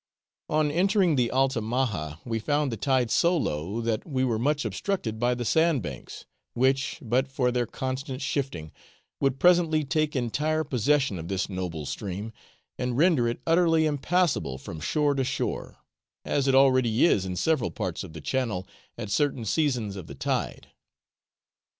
On entering the Altamaha, we found the tide so low that we were much obstructed by the sand banks, which, but for their constant shifting, would presently take entire possession of this noble stream, and render it utterly impassable from shore to shore, as it already is in several parts of the channel at certain seasons of the tide.